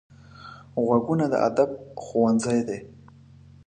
غوږونه د ادب ښوونځی دي